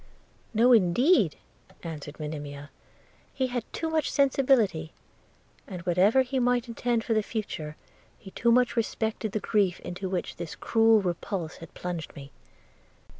'No indeed,' answered Monimia, 'he had too much sensibility; and whatever he might intend for the future, he too much respected the grief into which this cruel repulse had plunged me.